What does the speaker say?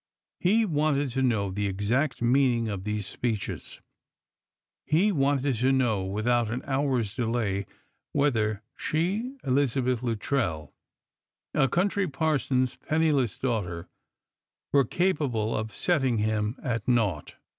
He wanted to know the exact meaning of these speeches. He wanted to know, without an hour's delay, whether she, Eliza beth Luttrell, a country parson's penniless daughter, were capa ble of setting him at naught.